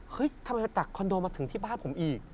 ทำไมมาตักคอนโดมาถึงที่บ้านผมอีก